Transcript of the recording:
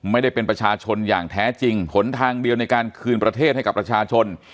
ไม่ได้เป็นประชาชนอย่างแท้จริงหนทางเดียวในการคืนประเทศให้กับประชาชน